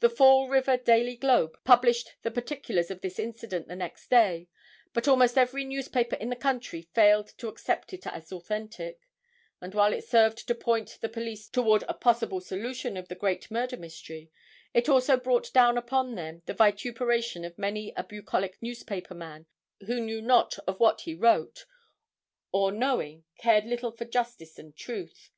The Fall River Daily Globe published the particulars of this incident the next day. But almost every newspaper in the country failed to accept it as authentic, and while it served to point the police toward a possible solution of the great murder mystery, it also brought down upon them the vituperation of many a bucolic newspaper man who knew not of what he wrote, or knowing cared little for justice and truth.